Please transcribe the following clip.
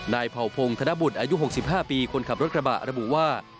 เผ่าพงธนบุตรอายุ๖๕ปีคนขับรถกระบะระบุว่า